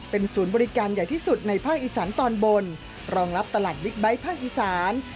เป็นศูนย์บริการใหญ่ที่สุดในภาคอีสานตอนบนรองรับตลาดบิ๊กไบท์ภาคอีสาน